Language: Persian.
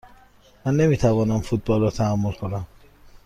من نمی توانم فوتبال را تحمل کنم.